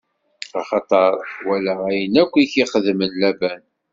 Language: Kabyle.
Axaṭer walaɣ ayen akk i k-ixdem Laban.